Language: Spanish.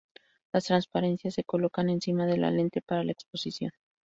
Las transparencias se colocan encima de la lente para la exposición.